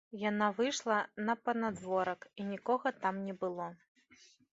Яна выйшла на панадворак, і нікога там не было.